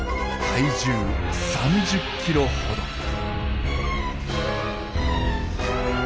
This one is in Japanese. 体重３０キロほど。